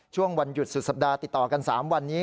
ช่วงวันหยุดสุดสัปดาห์ติดต่อกัน๓วันนี้